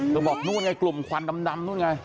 บอกนู่นไงกลุ่มควันดำนู่นไง